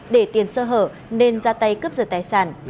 để tiền sơ hở nên ra tay cướp giật tài sản